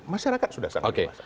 masyarakat sudah sangat berpikir